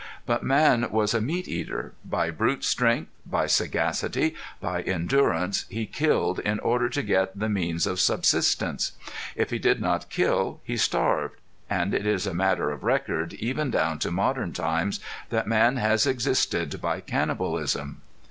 But man was a meat eater. By brute strength, by sagacity, by endurance he killed in order to get the means of subsistence. If he did not kill he starved. And it is a matter of record, even down to modern times, that man has existed by cannibalism.